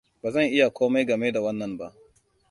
Ba zan iya komai game da wannan ba.